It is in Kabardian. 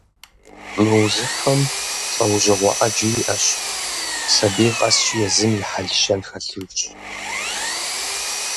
Мы узыфэм лӀэужьыгъуэ Ӏэджэ иӀэщ, сабий къэскӀи езым и хьэл-щэн хэлъыжщ.